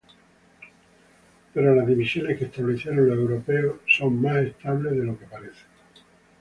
Pero las divisiones que establecieron los europeos son más estables de lo que parecen.